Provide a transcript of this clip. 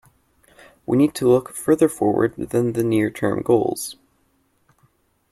We need to look further forward than the near-term goals